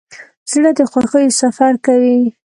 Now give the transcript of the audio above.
زړه د خوښیو سفر کوي.